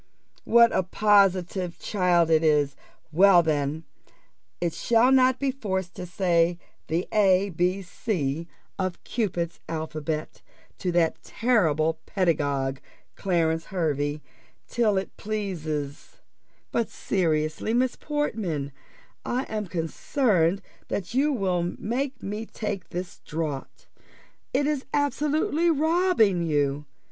"What a positive child it is! Well, then, it shall not be forced to say the a, b, c, of Cupid's alphabet, to that terrible pedagogue, Clarence Hervey, till it pleases: but seriously, Miss Portman, I am concerned that you will make me take this draught: it is absolutely robbing you.